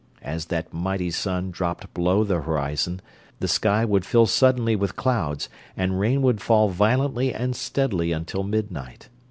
As that mighty sun dropped below the horizon the sky would fill suddenly with clouds and rain would fall violently and steadily until midnight.